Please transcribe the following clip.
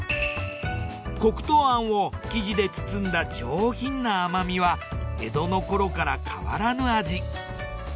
黒糖あんを生地で包んだ上品な甘味は江戸の頃から変わらぬ味。